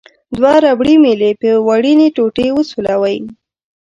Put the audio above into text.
دوه ربړي میلې په وړینې ټوټې وسولوئ.